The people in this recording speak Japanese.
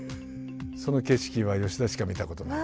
その景色は吉田しか見たことない。